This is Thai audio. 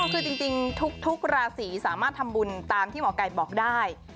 คือจริงทุกราศีสามารถทำบุญตามที่หมอไก่บอกได้